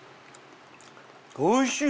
おいしい。